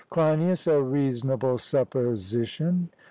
CLEINIAS: A reasonable supposition.